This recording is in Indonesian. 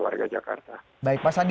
yang terakhir pak sandi dari saya